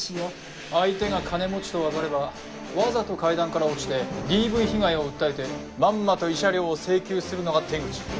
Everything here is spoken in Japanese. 相手が金持ちと分かればわざと階段から落ちてＤＶ被害を訴えてまんまと慰謝料を請求するのが手口。